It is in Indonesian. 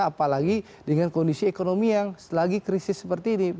apalagi dengan kondisi ekonomi yang lagi krisis seperti ini